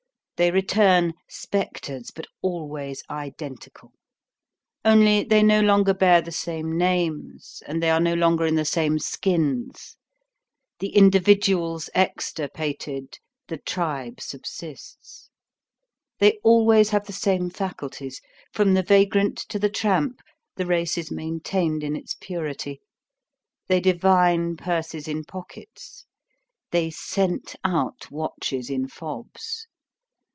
They return, spectres, but always identical; only, they no longer bear the same names and they are no longer in the same skins. The individuals extirpated, the tribe subsists. They always have the same faculties. From the vagrant to the tramp, the race is maintained in its purity. They divine purses in pockets, they scent out watches in fobs.